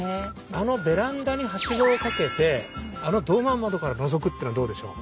あのベランダにはしごをかけてあのドーマー窓からのぞくっていうのはどうでしょう？